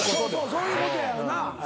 そういうことやよな。